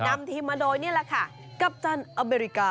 นำทีมมาโดยนี่แหละค่ะกัปตันอเมริกา